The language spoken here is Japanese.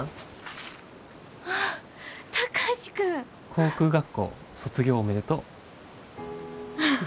航空学校卒業おめでとう。